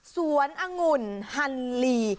สวนองุ่ลฮันลี